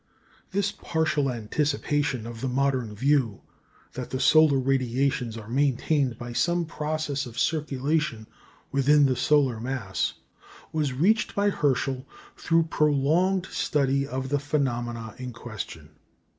" This partial anticipation of the modern view that the solar radiations are maintained by some process of circulation within the solar mass, was reached by Herschel through prolonged study of the phenomena in question.